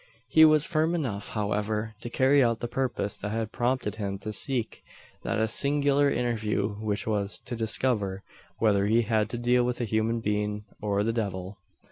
He was firm enough, however, to carry out the purpose that had prompted him to seek that singular interview; which was, to discover whether he had to deal with a human being, or the devil!